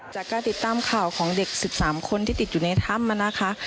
จากการติดตามข่าวของเด็ก๑๓คนที่ติดอยู่ในถ้ำนะคะ